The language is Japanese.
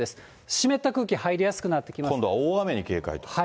湿った空気入りやすくなってきま今度は大雨に警戒と。